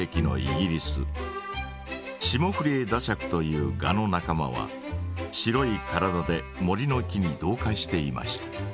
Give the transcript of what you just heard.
シモフリエダシャクというガの仲間は白い体で森の木に同化していました。